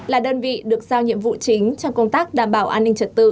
là đơn vị được giao nhiệm vụ chính trong công tác đảm bảo an ninh trật tự